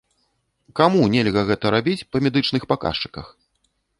Каму нельга гэта рабіць па медычных паказчыках?